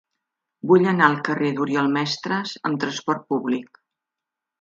Vull anar al carrer d'Oriol Mestres amb trasport públic.